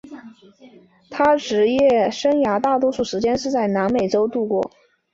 他职业生涯里大多数时间是在南美洲度过。